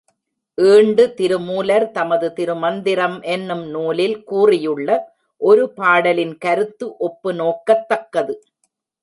ஈண்டு திருமூலர் தமது திருமந்திரம் என்னும் நூலில் கூறியுள்ள ஒரு பாடலின் கருத்து ஒப்பு நோக்கத் தக்கது.